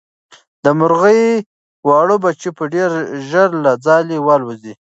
د مرغۍ واړه بچي به ډېر ژر له ځالې والوځي.